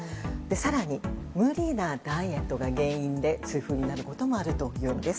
更に、無理なダイエットが原因で痛風になることもあるというんです。